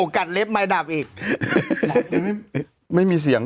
กัดเล็บไม่ดับอีก